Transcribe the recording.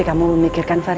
kamu belum tidur nar